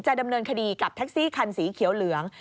ดำเนินคดีกับแท็กซี่คันสีเขียวเหลือง